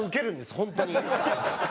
本当に。